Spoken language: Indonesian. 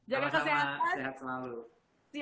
jaga kesehatan sehat selalu